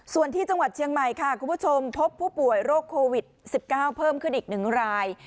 ส่วนที่จังหวัดเชียงใหม่ค่ะคุณผู้ชมพบผู้ป่วยโรคโควิด๑๙เพิ่มขึ้นอีก๑ราย